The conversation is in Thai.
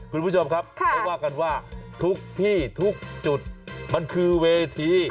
คุณผู้ชมครับเขาว่ากันว่าทุกที่ทุกจุดมันคือเวที